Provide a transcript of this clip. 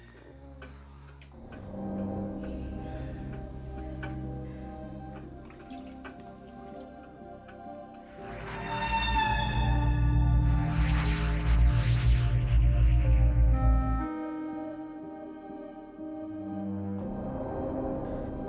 aku juga gak tau kak